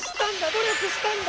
ど力したんだ！